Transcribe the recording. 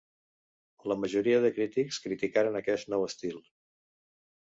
La majoria de crítics criticaren aquest nou estil.